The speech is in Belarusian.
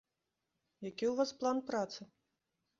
Які ў вас план працы?